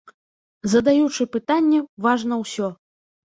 Задаючы пытанні важна ўсё.